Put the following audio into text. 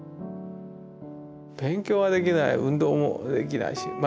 勉強はできない運動もできないしま